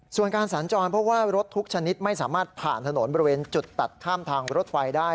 ส่วนการสัญจรเพราะว่ารถทุกชนิดไม่สามารถผ่านถนนบริเวณจุดตัดข้ามทางรถไฟได้